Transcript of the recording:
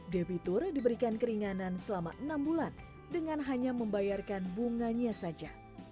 debitur diberikan keringanan selama enam bulan dengan hanya membayarkan bunganya saja